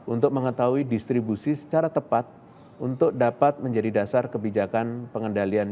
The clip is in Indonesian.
untuk mengetahui distribusi secara tepat untuk dapat menjadi dasar kebijakan pengendalian